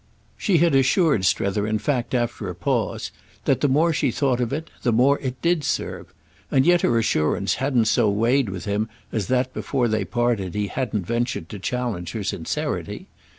She had assured Strether in fact after a pause that the more she thought of it the more it did serve; and yet her assurance hadn't so weighed with him as that before they parted he hadn't ventured to challenge her sincerity.